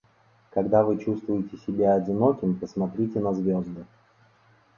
Когда вы чувствуете себя одиноким, посмотрите на звезды.